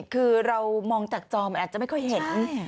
คือเรามองจากจอมันอาจจะไม่ค่อยเห็น